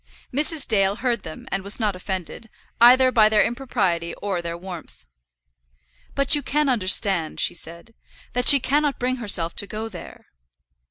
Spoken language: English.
Mrs. Dale heard them, and was not offended either by their impropriety or their warmth. "But you can understand," she said, "that she cannot bring herself to go there."